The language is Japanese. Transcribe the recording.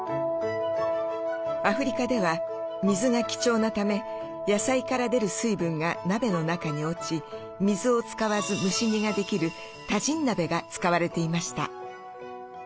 アフリカでは水が貴重なため野菜から出る水分が鍋の中に落ち水を使わず蒸し煮ができるタジン鍋が使われていました。